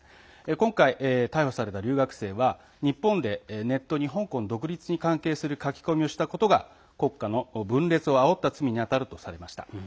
今回、逮捕された留学生は日本でネットに香港独立に関係する書き込みをしたことが国家の分裂をあおった罪にあたるとされました。